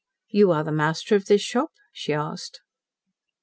"You are the master of this shop?" she asked.